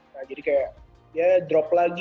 nah jadi kayak ya drop lagi